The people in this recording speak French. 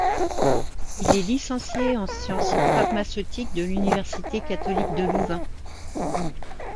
Il est licencié en sciences pharmaceutiques de l'université catholique de Louvain.